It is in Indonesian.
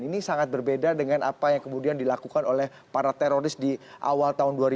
ini sangat berbeda dengan apa yang kemudian dilakukan oleh para teroris di awal tahun dua ribu dua